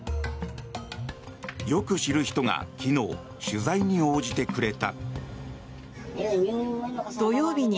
よく知る人が昨日、取材に応じてくれた。